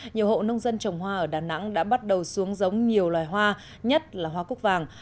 nhiều hộ nông dân trồng hoa ở đà nẵng đã bắt đầu xuống giống nhiều loài hoa nhất là hoa cúc vàng